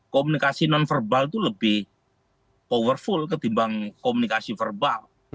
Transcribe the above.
komunikasi non verbal itu lebih powerful ketimbang komunikasi verbal